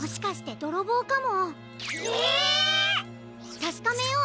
たしかめよう！